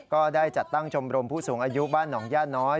ก็ได้จัดตั้งชมรมผู้สูงอายุบ้านหนองย่าน้อย